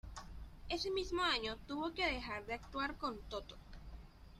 Ese mismo año tuvo que dejar de actuar con Toto.